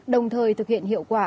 đồng thời thực hiện hiệu quả